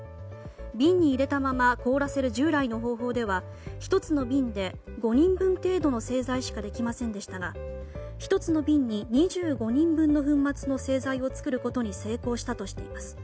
瓶に入れたまま凍らせる従来の方法では１つの瓶で５人分程度の製剤しかできませんでしたが１つの瓶に２５人分の粉末の製剤を作ることに成功したとしています。